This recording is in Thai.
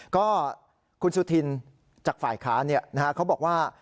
ก็คุณสุธินจากฝ่ายค้านเขาบอกว่า